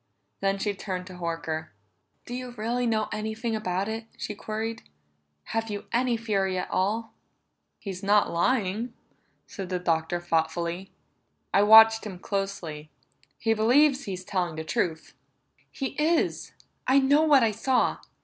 Then she turned to Horker. "Do you really know anything about it?" she queried. "Have you any theory at all?" "He's not lying," said the Doctor thoughtfully. "I watched him closely; he believes he's telling the truth." "He is. I know what I saw!"